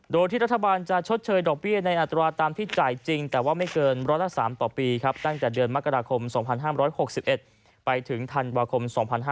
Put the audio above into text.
โดยที่รัฐบาลจะชดเชยดอกเบี้ยในอัตราตามที่จ่ายจริงแต่ว่าไม่เกินร้อยละ๓ต่อปีครับตั้งแต่เดือนมกราคม๒๕๖๑ไปถึงธันวาคม๒๕๕๙